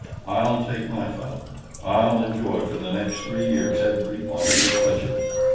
I'll take my fun. I'll enjoy for the next three years every possible pleasure.